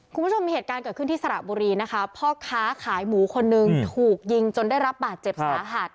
คุณผู้ชมเหตุการณ์เกิดขึ้นที่สระบุรีนะคะพ่อค้าขายหมูคนนึงถูกยิงจนได้รับบาดเจ็บสาหัส